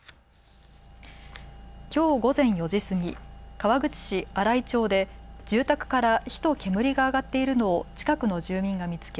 きょう午前４時過ぎ、川口市新井町で住宅から火と煙が上がっているのを近くの住民が見つけ